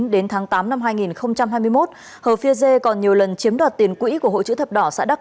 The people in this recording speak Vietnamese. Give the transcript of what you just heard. đến tháng tám năm hai nghìn hai mươi một hợp phia re còn nhiều lần chiếm đoạt tiền quỹ của hội chữ thập đỏ xã đắk